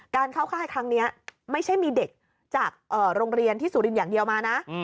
การเข้าค่ายครั้งนี้ไม่ใช่มีเด็กจากโรงเรียนที่สุรินทร์อย่างเดียวมานะ